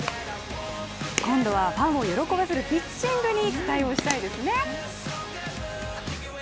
今度はファンを喜ばせるピッチングに期待したいですね。